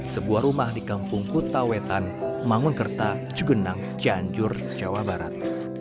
sebuah rumah di kampung kutawetan mangunkerta jugenang cianjur jawa barat